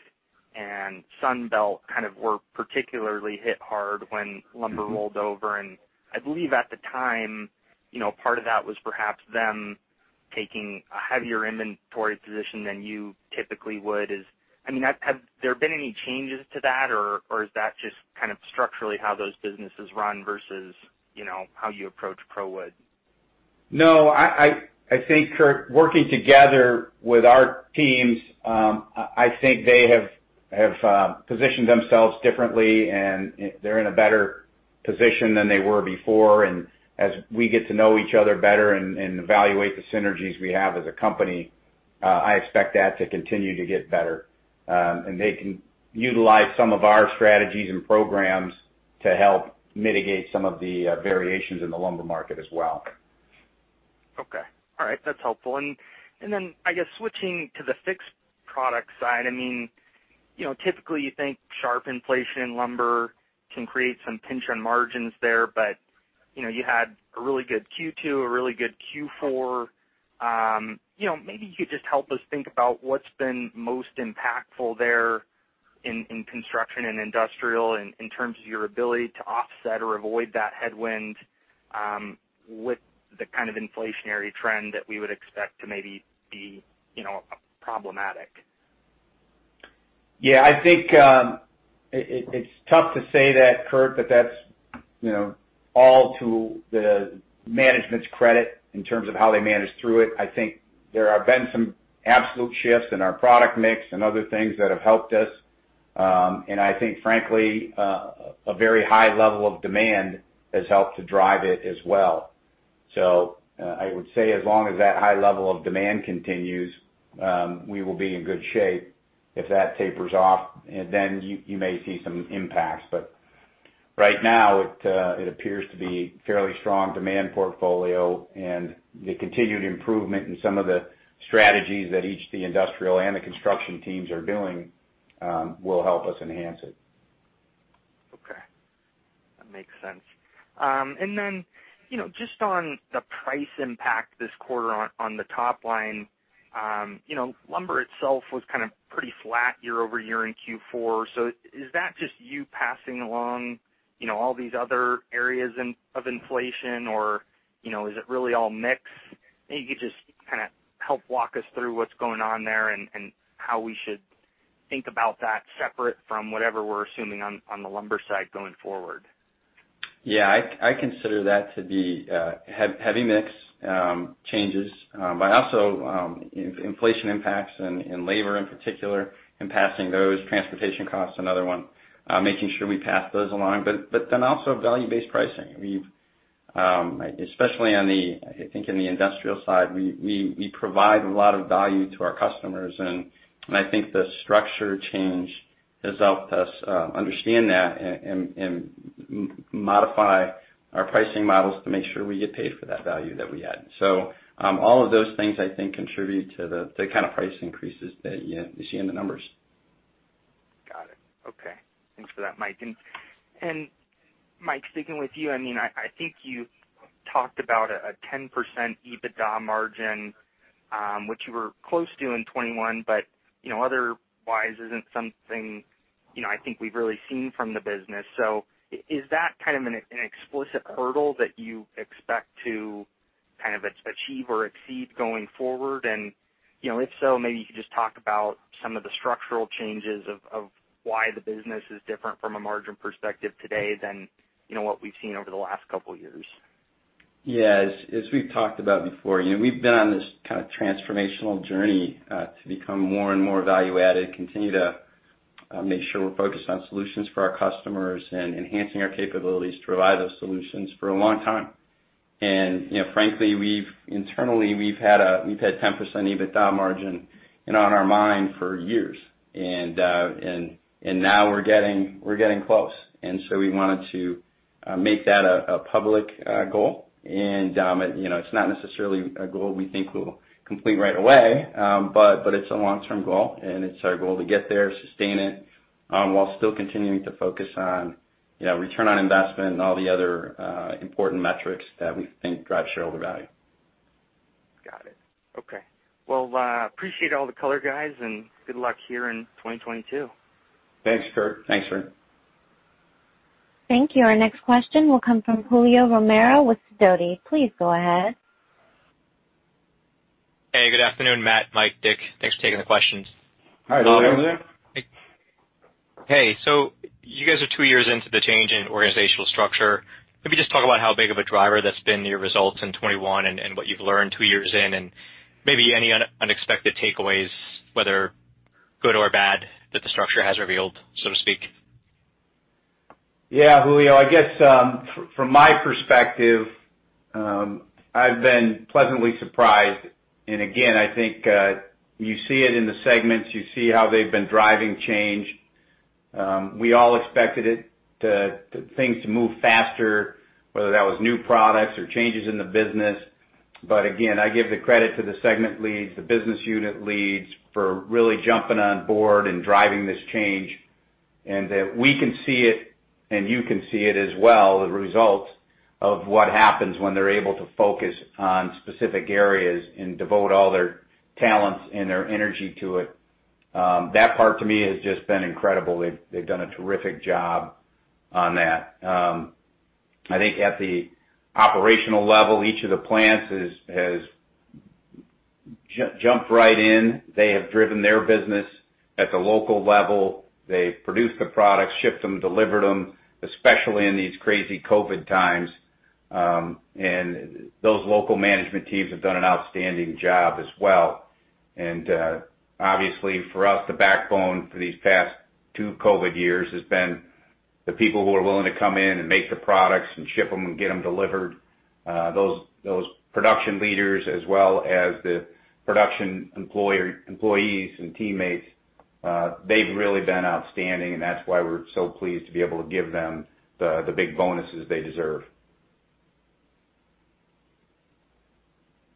Speaker 8: and Sunbelt kind of were particularly hit hard when lumber rolled over. I believe at the time, you know, part of that was perhaps them taking a heavier inventory position than you typically would. I mean, have there been any changes to that, or is that just kind of structurally how those businesses run versus, you know, how you approach ProWood?
Speaker 3: No, I think, Kurt, working together with our teams, I think they have positioned themselves differently and they're in a better position than they were before. As we get to know each other better and evaluate the synergies we have as a company, I expect that to continue to get better. They can utilize some of our strategies and programs to help mitigate some of the variations in the lumber market as well.
Speaker 8: Okay. All right, that's helpful. Then I guess switching to the fixed product side, I mean, you know, typically you think sharp inflation, lumber can create some pinch on margins there, but, you know, you had a really good Q2, a really good Q4. You know, maybe you could just help us think about what's been most impactful there in construction and industrial in terms of your ability to offset or avoid that headwind, with the kind of inflationary trend that we would expect to maybe be, you know, problematic.
Speaker 3: Yeah. I think it's tough to say that, Kurt, but that's, you know, all to the management's credit in terms of how they managed through it. I think there have been some absolute shifts in our product mix and other things that have helped us. I think frankly a very high level of demand has helped to drive it as well. I would say as long as that high level of demand continues, we will be in good shape. If that tapers off, then you may see some impacts. Right now it appears to be fairly strong demand portfolio and the continued improvement in some of the strategies that each of the industrial and the construction teams are doing will help us enhance it.
Speaker 8: Okay. That makes sense. And then, you know, just on the price impact this quarter on the top line, you know, lumber itself was kind of pretty flat year-over-year in Q4. Is that just you passing along, you know, all these other areas of inflation or, you know, is it really all mix? Maybe you could just kinda help walk us through what's going on there and how we should think about that separate from whatever we're assuming on the lumber side going forward.
Speaker 4: Yeah. I consider that to be heavy mix changes. Also inflation impacts in labor in particular, and passing those. Transportation costs, another one, making sure we pass those along. Then also value-based pricing. We've especially on the industrial side, I think, we provide a lot of value to our customers. I think the structure change has helped us understand that and modify our pricing models to make sure we get paid for that value that we add. All of those things, I think, contribute to the kind of price increases that you see in the numbers.
Speaker 8: Got it. Okay. Thanks for that, Mike. Mike, sticking with you, I mean, I think you talked about a 10% EBITDA margin, which you were close to in 2021, but you know, otherwise isn't something, you know, I think we've really seen from the business. Is that kind of an explicit hurdle that you expect to kind of achieve or exceed going forward? You know, if so, maybe you could just talk about some of the structural changes of why the business is different from a margin perspective today than, you know, what we've seen over the last couple years.
Speaker 4: Yeah. As we've talked about before, you know, we've been on this kind of transformational journey to become more and more value-added, continue to make sure we're focused on solutions for our customers and enhancing our capabilities to provide those solutions for a long time. You know, frankly, internally, we've had a 10% EBITDA margin, you know, on our mind for years. Now we're getting close. We wanted to make that a public goal. You know, it's not necessarily a goal we think we'll complete right away. It's a long-term goal, and it's our goal to get there, sustain it while still continuing to focus on, you know, return on investment and all the other important metrics that we think drive shareholder value.
Speaker 8: Got it. Okay. Well, I appreciate all the color, guys, and good luck here in 2022.
Speaker 3: Thanks, Kurt.
Speaker 4: Thanks, Kurt.
Speaker 1: Thank you. Our next question will come from Julio Romero with Sidoti. Please go ahead.
Speaker 9: Hey, good afternoon, Matt, Mike, Dick. Thanks for taking the questions.
Speaker 3: Hi, Julio.
Speaker 9: Hey. You guys are two years into the change in organizational structure. Maybe just talk about how big of a driver that's been to your results in 2021 and what you've learned two years in and maybe any unexpected takeaways, whether good or bad, that the structure has revealed, so to speak.
Speaker 3: Yeah, Julio, I guess, from my perspective, I've been pleasantly surprised. Again, I think, you see it in the segments, you see how they've been driving change. We all expected things to move faster, whether that was new products or changes in the business. Again, I give the credit to the segment leads, the business unit leads for really jumping on board and driving this change, and that we can see it and you can see it as well, the results of what happens when they're able to focus on specific areas and devote all their talents and their energy to it. That part to me has just been incredible. They've done a terrific job on that. I think at the operational level, each of the plants has jumped right in. They have driven their business at the local level. They've produced the products, shipped them, delivered them, especially in these crazy COVID times. Those local management teams have done an outstanding job as well. Obviously for us, the backbone for these past two COVID years has been the people who are willing to come in and make the products and ship them and get them delivered. Those production leaders as well as the production employees and teammates, they've really been outstanding and that's why we're so pleased to be able to give them the big bonuses they deserve.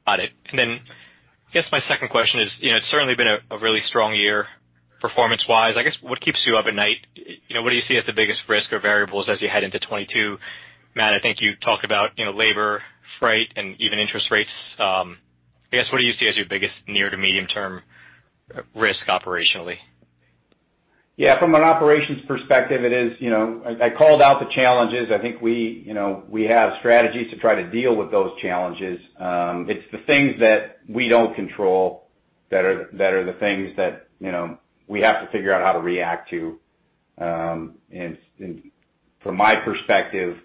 Speaker 9: Got it. I guess my second question is, you know, it's certainly been a really strong year performance-wise. I guess, what keeps you up at night? You know, what do you see as the biggest risk or variables as you head into 2022? Matt, I think you talked about, you know, labor, freight, and even interest rates. I guess, what do you see as your biggest near to medium term risk operationally?
Speaker 3: Yeah, from an operations perspective, it is, you know, I called out the challenges. I think we, you know, we have strategies to try to deal with those challenges. It's the things that we don't control that are the things that, you know, we have to figure out how to react to. From my perspective,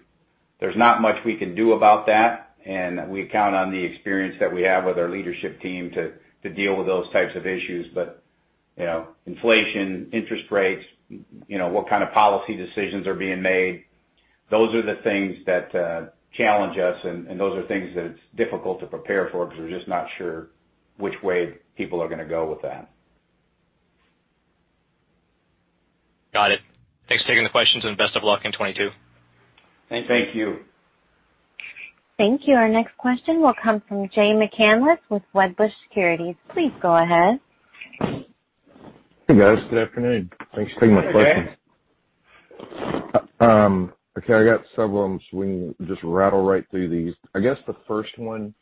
Speaker 3: there's not much we can do about that, and we count on the experience that we have with our leadership team to deal with those types of issues. You know, inflation, interest rates, you know, what kind of policy decisions are being made, those are the things that challenge us and those are things that it's difficult to prepare for because we're just not sure which way people are gonna go with that.
Speaker 9: Got it. Thanks for taking the questions and best of luck in 2022.
Speaker 3: Thank you.
Speaker 1: Thank you. Our next question will come from Jay McCanless with Wedbush Securities. Please go ahead.
Speaker 10: Hey, guys. Good afternoon. Thanks for taking my questions.
Speaker 3: Hey, Jay.
Speaker 10: Okay, I got several of them, so we can just rattle right through these. I guess the first one,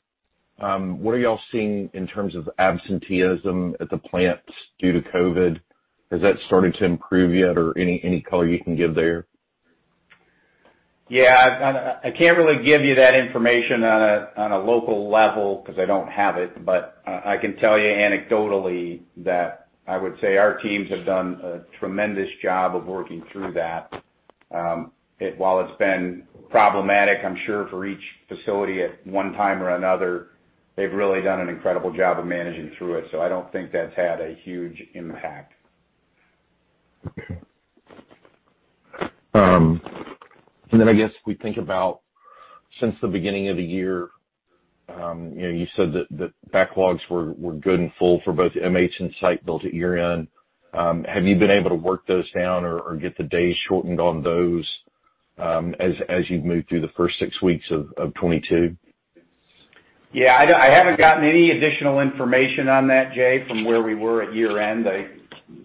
Speaker 10: what are y'all seeing in terms of absenteeism at the plants due to COVID? Has that started to improve yet or any color you can give there?
Speaker 3: Yeah. I can't really give you that information on a local level because I don't have it. I can tell you anecdotally that I would say our teams have done a tremendous job of working through that. While it's been problematic, I'm sure for each facility at one time or another, they've really done an incredible job of managing through it. I don't think that's had a huge impact.
Speaker 10: Okay. I guess if we think about since the beginning of the year, you know, you said that backlogs were good and full for both MH and Sitebuilt at year-end. Have you been able to work those down or get the days shortened on those, as you've moved through the first six weeks of 2022?
Speaker 3: Yeah, I haven't gotten any additional information on that, Jay, from where we were at year-end.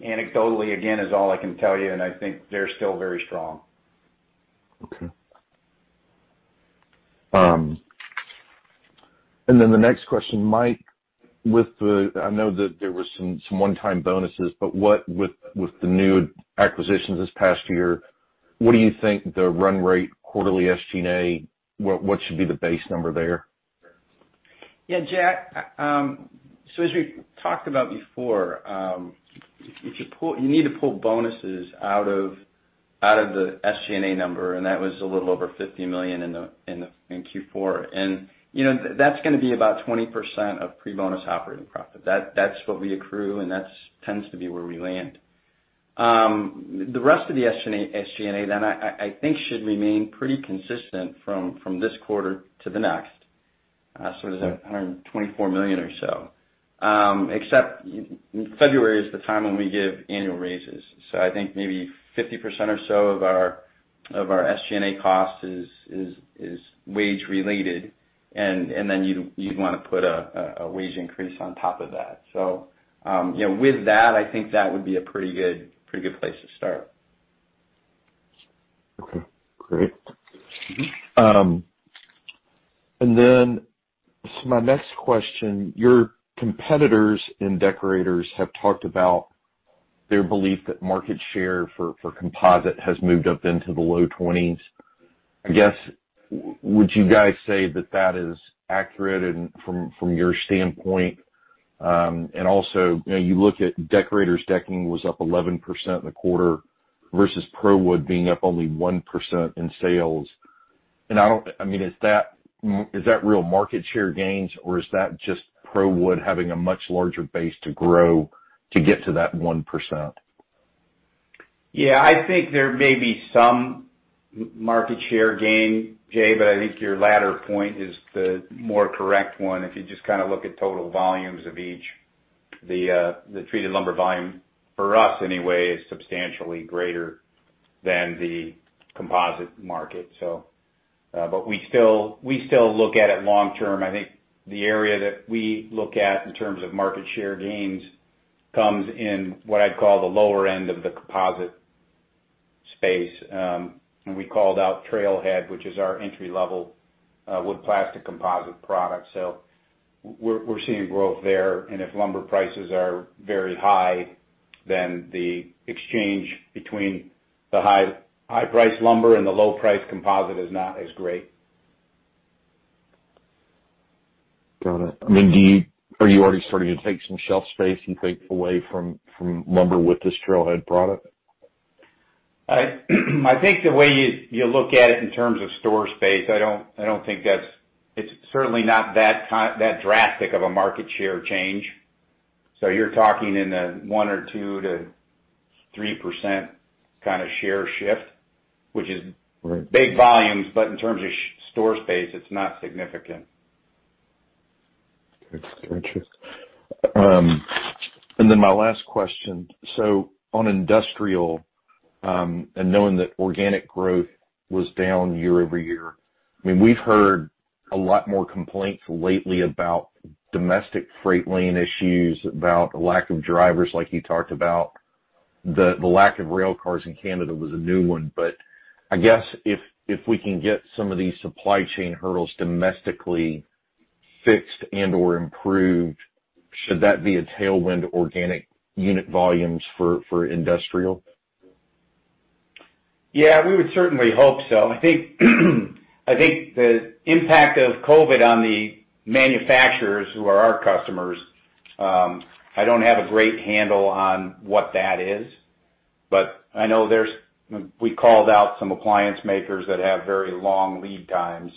Speaker 3: Anecdotally, again, is all I can tell you, and I think they're still very strong.
Speaker 10: Okay. The next question, Mike. I know that there was some one-time bonuses, but with the new acquisitions this past year, what do you think the run rate quarterly SG&A? What should be the base number there?
Speaker 4: Yeah, Jay, as we talked about before, you need to pull bonuses out of the SG&A number, and that was a little over $50 million in Q4. You know, that's gonna be about 20% of pre-bonus operating profit. That's what we accrue, and that tends to be where we land. The rest of the SG&A then I think should remain pretty consistent from this quarter to the next, so it's like $124 million or so. Except February is the time when we give annual raises. I think maybe 50% or so of our SG&A cost is wage-related, and then you'd wanna put a wage increase on top of that. You know, with that, I think that would be a pretty good place to start.
Speaker 10: Okay. Great. My next question, your competitors in Deckorators have talked about their belief that market share for composite has moved up into the low 20s. I guess, would you guys say that is accurate and from your standpoint? You know, you look at Deckorators decking was up 11% in the quarter versus ProWood being up only 1% in sales. I mean, is that real market share gains, or is that just ProWood having a much larger base to grow to get to that 1%?
Speaker 3: Yeah, I think there may be some market share gain, Jay, but I think your latter point is the more correct one. If you just kinda look at total volumes of each, the treated lumber volume, for us anyway, is substantially greater than the composite market. We still look at it long term. I think the area that we look at in terms of market share gains comes in what I'd call the lower end of the composite space. We called out Trailhead, which is our entry-level wood plastic composite product. We're seeing growth there. If lumber prices are very high, then the exchange between the high-priced lumber and the low-priced composite is not as great.
Speaker 10: Got it. I mean, are you already starting to take some shelf space and take away from lumber with this Trailhead product?
Speaker 3: I think the way you look at it in terms of store space, I don't think that's that drastic of a market share change. You're talking in the 1%-3% kinda share shift, which is
Speaker 10: Right.
Speaker 3: Big volumes, but in terms of store space, it's not significant.
Speaker 10: Then my last question. On industrial, knowing that organic growth was down year-over-year, I mean, we've heard a lot more complaints lately about domestic freight lane issues, about lack of drivers, like you talked about. The lack of rail cars in Canada was a new one. I guess if we can get some of these supply chain hurdles domestically fixed and/or improved, should that be a tailwind organic unit volumes for industrial?
Speaker 3: Yeah, we would certainly hope so. I think the impact of COVID on the manufacturers who are our customers. I don't have a great handle on what that is. But I know we called out some appliance makers that have very long lead times.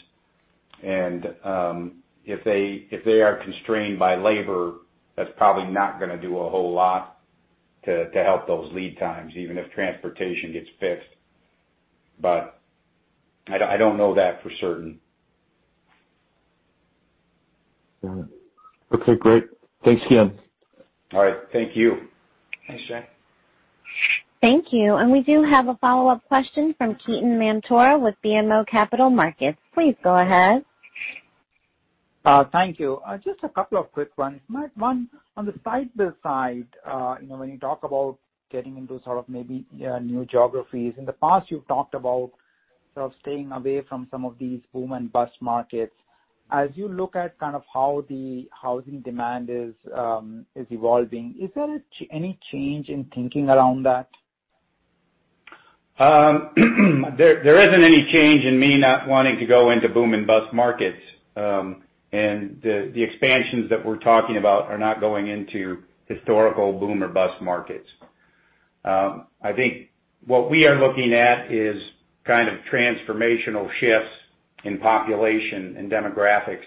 Speaker 3: If they are constrained by labor, that's probably not gonna do a whole lot to help those lead times, even if transportation gets fixed. But I don't know that for certain.
Speaker 10: All right. Okay, great. Thanks again.
Speaker 3: All right. Thank you.
Speaker 4: Thanks, Jay.
Speaker 1: Thank you. We do have a follow-up question from Ketan Mamtora with BMO Capital Markets. Please go ahead.
Speaker 5: Thank you. Just a couple of quick ones. Matt, one, on the siding side, you know, when you talk about getting into sort of maybe new geographies, in the past, you've talked about sort of staying away from some of these boom and bust markets. As you look at kind of how the housing demand is evolving, is there any change in thinking around that?
Speaker 3: There isn't any change in me not wanting to go into boom and bust markets. The expansions that we're talking about are not going into historical boom or bust markets. I think what we are looking at is kind of transformational shifts in population and demographics,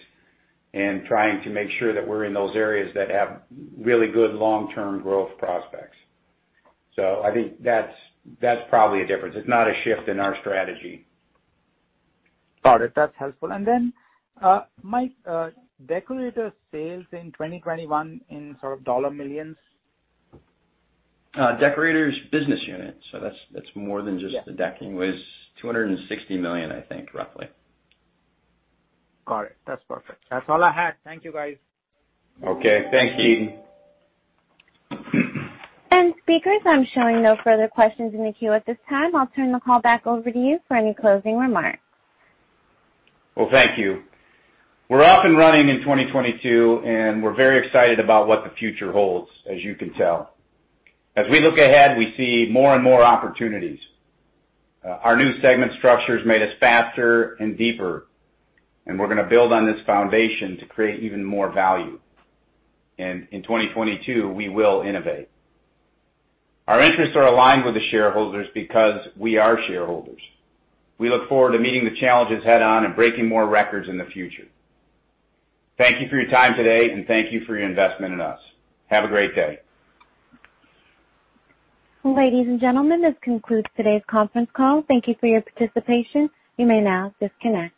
Speaker 3: and trying to make sure that we're in those areas that have really good long-term growth prospects. I think that's probably a difference. It's not a shift in our strategy.
Speaker 5: Got it. That's helpful. And then Mike, Deckorators' sales in 2021 in sort of dollar millions?
Speaker 4: Deckorators' business unit, so that's more than just the decking was $260 million, I think, roughly.
Speaker 5: Got it. That's perfect. That's all I had. Thank you, guys.
Speaker 3: Okay. Thanks, Ketan.
Speaker 1: Speakers, I'm showing no further questions in the queue at this time. I'll turn the call back over to you for any closing remarks.
Speaker 3: Well, thank you. We're off and running in 2022, and we're very excited about what the future holds, as you can tell. As we look ahead, we see more and more opportunities. Our new segment structures made us faster and deeper, and we're gonna build on this foundation to create even more value. In 2022, we will innovate. Our interests are aligned with the shareholders because we are shareholders. We look forward to meeting the challenges head on and breaking more records in the future. Thank you for your time today, and thank you for your investment in us. Have a great day.
Speaker 1: Ladies and gentlemen, this concludes today's conference call. Thank you for your participation. You may now disconnect.